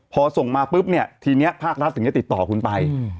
พอส่งมาปุ๊บเนี่ยทีนี้ภาครัฐถึงจะติดต่อคุณไป